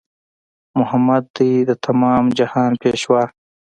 محمد دی د تمام جهان پېشوا